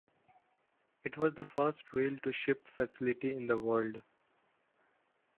It was the first rail-to-ship facility in the world.